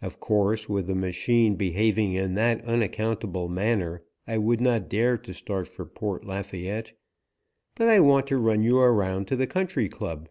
Of course, with the machine behaving in that unaccountable manner, I would not dare to start for Port Lafayette, but I want to run you around to the Country Club.